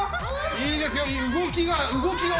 いいですよ！